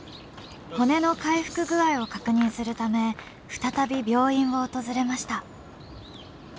骨の回復具合を確認するため再び病院を訪れました。